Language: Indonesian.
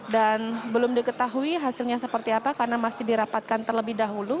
dan belum diketahui hasilnya seperti apa karena masih dirapatkan terlebih dahulu